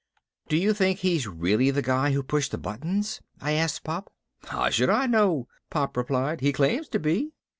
"Do you think he's really the guy who pushed the buttons?" I asked Pop. "How should I know?" Pop replied. "He claims to be."